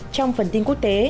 trong phần tin quốc tế